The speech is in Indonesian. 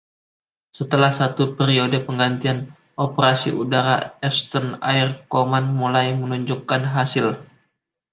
Setelah satu periode penggantian, operasi udara Eastern Air Command mulai menunjukkan hasil.